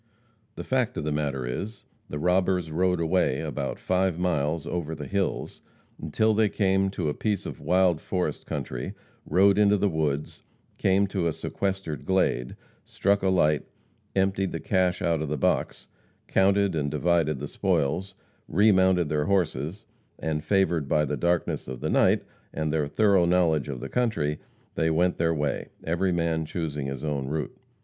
The fact of the matter is, the robbers rode away about five miles over the hills, until they came to a piece of wild forest country, rode into the woods; came to a sequestered glade; struck a light; emptied the cash out of the box; counted and divided the spoils; remounted their horses, and favored by the darkness of the night, and their thorough knowledge of the country, they went their way, every man choosing his own route.